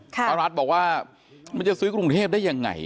พระรัฐบอกว่ามันจะซื้อกรุงเทพได้ยังไง